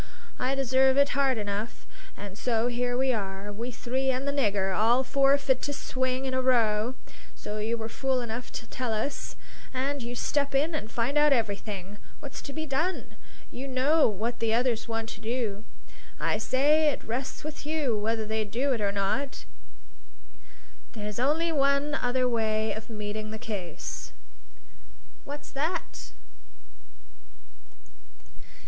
I deserve it hard enough. And so here we are, we three and the nigger, all four fit to swing in a row, as you were fool enough to tell us; and you step in and find out everything. What's to be done? You know what the others want to do. I say it rests with you whether they do it or not. There's only one other way of meeting the case." "What's that?"